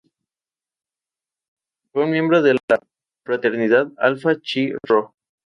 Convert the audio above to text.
Fue un miembro de la fraternidad Alfa Chi Rho.